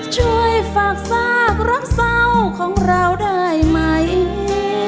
ช่วยฝากซากรักเศร้าของเราได้ไหม